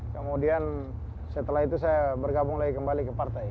kemudian setelah itu saya bergabung lagi kembali ke partai